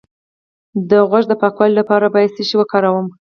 د غوږ د پاکوالي لپاره باید څه شی وکاروم؟